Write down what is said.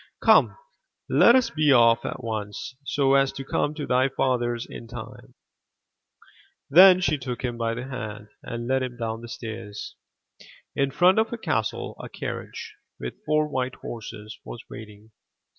Come, let us be off at once, so as to come to thy father*s in time/' Then she took him by the hand, and led him down the stairs. In front of the castle a carriage, with four white horses, was waiting.